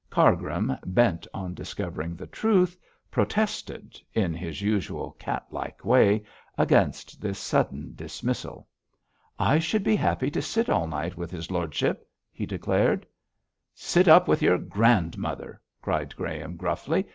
Cargrim bent on discovering the truth protested, in his usual cat like way, against this sudden dismissal. 'I should be happy to sit up all night with his lordship,' he declared. 'Sit up with your grandmother!' cried Graham, gruffly.